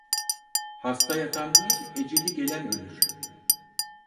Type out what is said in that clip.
Hasta yatan değil, eceli gelen ölür.